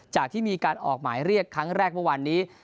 ที่มีการออกหมายเรียกครั้งแรกเมื่อวานนี้